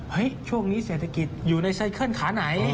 เฮ้ยช่วงนี้เศรษฐกิจอยู่ในเศรษฐ์เคลื่อนขาไหน